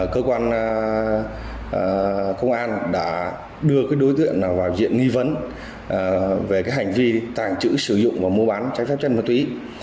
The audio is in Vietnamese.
cơ quan công an đã đưa đối tượng vào diện nghi vấn về hành vi tàng trữ sử dụng và mua bán trái phép chân ma túy